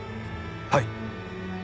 はい。